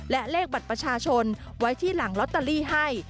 และเลขบัตรประชาชนไว้ที่หลังลอตเตอรี่ให้